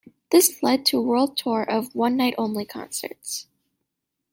This led to a world tour of "One Night Only" concerts.